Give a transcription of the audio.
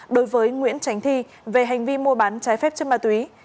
đối với nguyễn tránh thi về hành vi mua bán trái phép chất ma túy